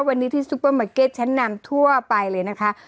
วันนี้ที่ซุปเปอร์มาร์เก็ตชั้นนำทั่วไปเลยนะคะ